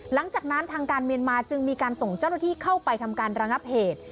หลังจากนั้นทางการเมียนมาจึงมีการส่งเจ้าหน้าที่เข้าไปทำการระงับเหตุ